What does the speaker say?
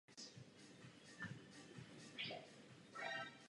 Slepá bigotnost, jakou leckdo projevuje vůči Izraeli, je naprosto děsivá.